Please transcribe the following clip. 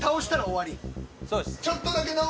そうです。